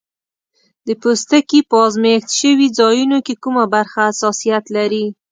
د پوستکي په آزمېښت شوي ځایونو کې کومه برخه حساسیت لري؟